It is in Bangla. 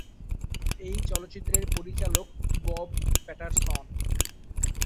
এই চলচ্চিত্রের পরিচালক বব প্যাটারসন।